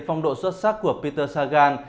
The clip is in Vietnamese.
phong độ xuất sắc của peter sagan